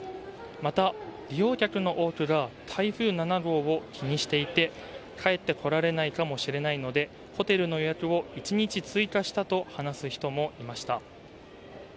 また利用客の多くが台風７号を気にしていて帰ってこられないかもしれないのでホテルの予約を１日追加したと話す人もいました。